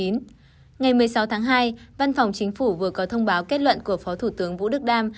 ngày một mươi sáu tháng hai văn phòng chính phủ vừa có thông báo kết luận của phó thủ tướng vũ đức đam